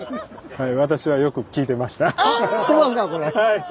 はい。